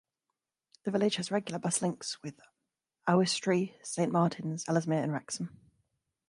The village has regular bus links with Oswestry, Saint Martins, Ellesmere and Wrexham.